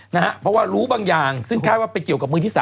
เพราะว่ารู้บางอย่างซึ่งคาดว่าไปเกี่ยวกับมือที่๓